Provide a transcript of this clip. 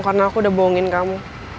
karena aku udah bohongin kamu